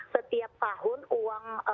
setiap tahun uang